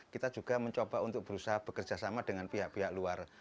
kita juga mencoba untuk berusaha bekerja sama dengan pihak pihak luar